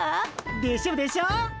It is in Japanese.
でしょでしょ。